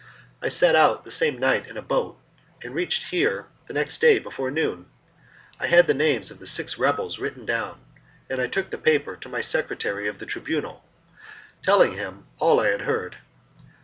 I set out the same night in a boat, and reached here the next day before noon. I had the names of the six rebels written down, and I took the paper to the secretary of the Tribunal, telling him all I had heard.